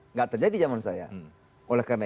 nggak terjadi zaman saya oleh karena